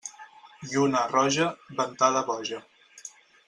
Lluna roja, ventada boja.